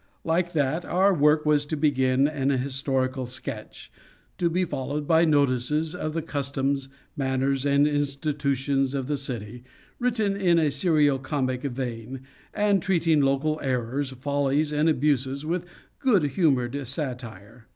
Like that, our work was to begin an historical sketch; to be followed by notices of the customs, manners and institutions of the city; written in a serio comic vein, and treating local errors, follies and abuses with good humored satire.